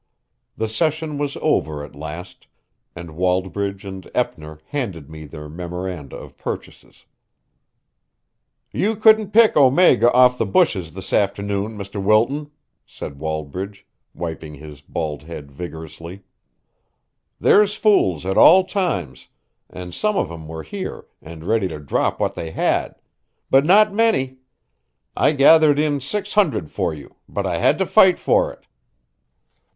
The session was over at last, and Wallbridge and Eppner handed me their memoranda of purchases. "You couldn't pick Omega off the bushes this afternoon, Mr. Wilton," said Wallbridge, wiping his bald head vigorously. "There's fools at all times, and some of 'em were here and ready to drop what they had; but not many. I gathered in six hundred for you, but I had to fight for it."